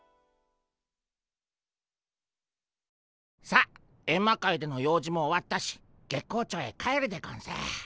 さっエンマ界での用事も終わったし月光町へ帰るでゴンス。